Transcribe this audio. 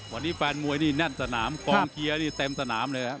วันนี้แฟนมวยนี่แน่นสนามกองเชียร์นี่เต็มสนามเลยครับ